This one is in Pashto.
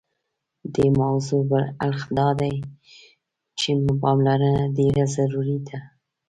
دې موضوع بل اړخ دادی چې پاملرنه ډېره ضروري ده.